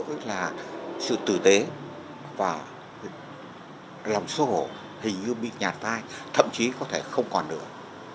có cảm giác tội lỗi là sự tử tế và lòng xô hổ hình như bị nhạt vai thậm chí có thể không còn nữa